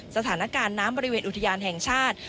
สถานการณ์น้ำบริเวณอุทยานแห่งชาติ